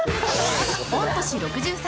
御年６３